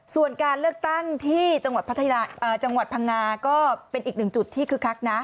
ส่วนการเลือกตั้งที่จังหวัดพังงาก็เป็นอีกหนึ่งจุดที่คึกคักนะ